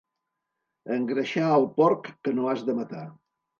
Engreixar el porc que no has de matar.